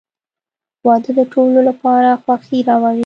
• واده د ټولو لپاره خوښي راوړي.